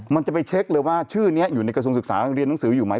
มันจะไปเช็คเลยว่าชื่อนี้อยู่ในกระทรวงศึกษายังเรียนหนังสืออยู่ไหม